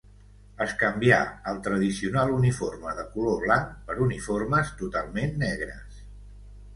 Es canvià el tradicional uniforme de color blanc, per uniformes totalment negres.